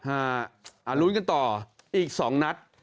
ลุ้นกันต่ออีก๒นัด